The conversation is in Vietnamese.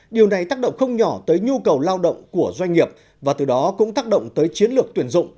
điều này tác động không nhỏ tới nhu cầu lao động của doanh nghiệp và từ đó cũng tác động tới chiến lược tuyển dụng